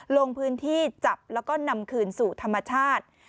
ลงพื้นที่จับแล้วก็นำคืนสู่ธรรมชาติ